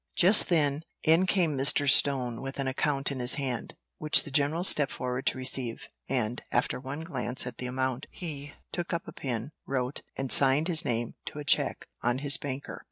Just then in came Mr. Stone with an account in his hand, which the general stepped forward to receive, and, after one glance at the amount, he took up a pen, wrote, and signed his name to a cheque on his banker.